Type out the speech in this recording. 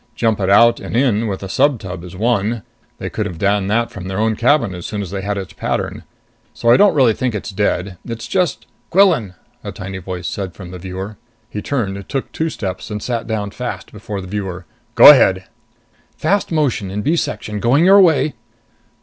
Jump it out and in with a subtub is one they could have done that from their own cabin as soon as they had its pattern. So I don't really think it's dead. It's just " "Quillan," a tiny voice said from the viewer. He turned, took two steps, and sat down fast before the viewer. "Go ahead!" "Fast motion in B section. Going your way."